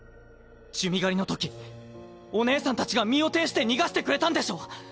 珠魅狩りのときお姉さんたちが身を挺して逃がしてくれたんでしょ！